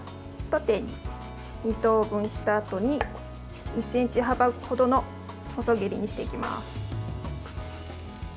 縦に２等分したあとに１ｃｍ幅ほどの細切りにしていきます。